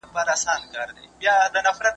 خصوصي سکتور خلکو ته اسانتیاوې راوړي.